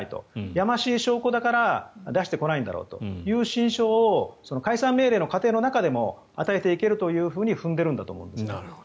やましい証拠だから出してこないんだろうという心証を解散命令の過程の中でも与えていけると踏んでいるんだと思います。